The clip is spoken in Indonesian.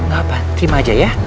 gak apa terima aja ya